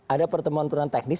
ada pertemuan pertemuan teknis